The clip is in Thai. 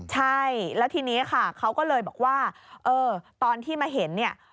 ใช่แล้วทีนี้เขาก็เลยบอกว่าตอนที่มาเห็น